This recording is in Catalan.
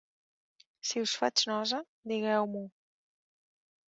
Si us faig nosa, digueu-m'ho.